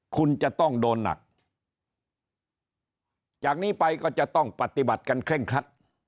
คุณจะต้องโดนหนักจากนี้ไปก็จะต้องปฏิบัติกันเคร่งครัด